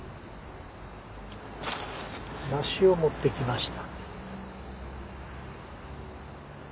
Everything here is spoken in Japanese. ナシを持ってきました。